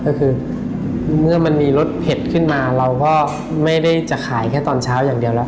ก็คือเมื่อมันมีรสเผ็ดขึ้นมาเราก็ไม่ได้จะขายแค่ตอนเช้าอย่างเดียวแล้ว